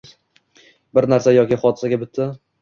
Bir narsa yoki hodisaga bitta